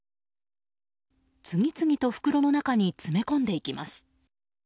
次々と袋の中に詰め込んでいきます。